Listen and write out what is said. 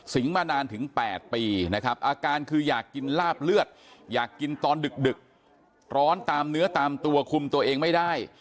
มานานถึง๘ปีนะครับอาการคืออยากกินลาบเลือดอยากกินตอนดึกร้อนตามเนื้อตามตัวคุมตัวเองไม่ได้